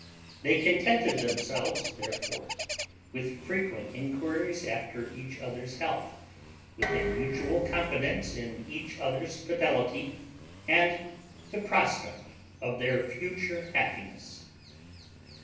They contented themselves therefore with frequent inquiries after each other's health, with a mutual confidence in each other's fidelity, and the prospect of their future happiness.